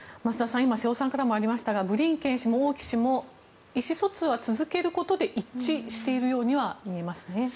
今、瀬尾さんからもありましたがブリンケン氏も王毅氏も意思疎通は続けることで一致しているようには見えますね。